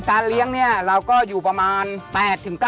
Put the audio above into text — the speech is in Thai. การเลี้ยงเราก็อยู่ประมาณ๘๙เดือน